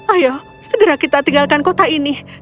ayo segera kita tinggalkan kota ini